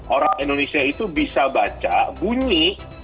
orang indonesia itu bisa baca bunyi